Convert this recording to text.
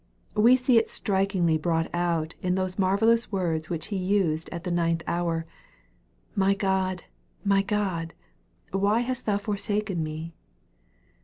We see it strikingly brought out in those marvellous words which He used at the ninth hour, " My God, my God, why hast thou forsaken me